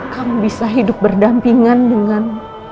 kamu bisa hidup berdampingan dengan